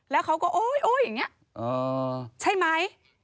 แล้วเขาก็โอ๊ยอย่างนี้ใช่ไหม